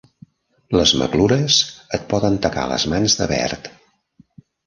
Les maclures et poden tacar les mans de verd.